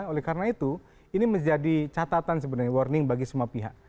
oleh karena itu ini menjadi catatan sebenarnya warning bagi semua pihak